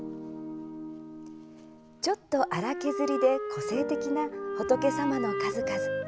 ちょっと荒削りで個性的な仏様の数々。